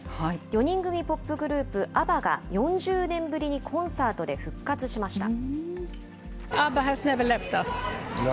４人組ポップグループ、アバが、４０年ぶりにコンサートで復活しました。